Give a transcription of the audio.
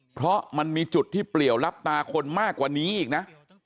เพราะมันมีจุดที่เปลี่ยวลับตาคนมากกว่านี้อีกนะ